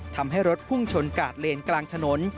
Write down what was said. ทำให้รถพุ่งชนกาดเลนกลางถนน